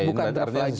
bukan draft lagi